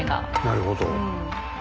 なるほど。